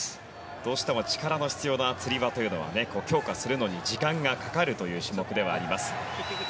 どうしても力の必要なつり輪は強化するのに時間がかかるという種目ではあります。